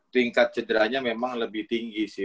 tingkat cederanya memang lebih tinggi sih